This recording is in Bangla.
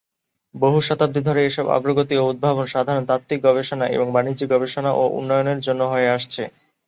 বহু শতাব্দি ধরে এসব অগ্রগতি ও উদ্ভাবন সাধারণত তাত্ত্বিক গবেষণা এবং বাণিজ্যিক গবেষণা ও উন্নয়নের জন্য হয়ে আসছে।